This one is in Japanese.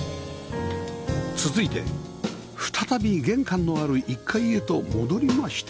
続いて再び玄関のある１階へと戻りまして